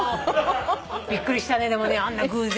びっくりしたねでもねあんな偶然。